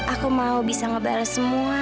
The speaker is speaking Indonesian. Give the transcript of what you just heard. aku mau bisa ngebal semua